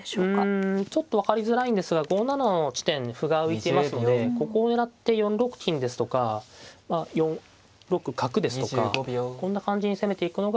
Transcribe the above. うんちょっと分かりづらいんですが５七の地点に歩が浮いてますのでここを狙って４六金ですとか４六角ですとかこんな感じに攻めていくのが。